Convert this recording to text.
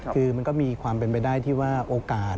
คือมันก็มีความเป็นไปได้ที่ว่าโอกาส